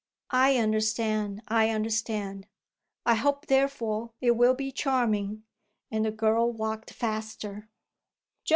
"I understand I understand. I hope therefore it will be charming." And the girl walked faster.